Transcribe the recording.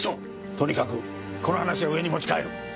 とにかくこの話は上に持ち帰る。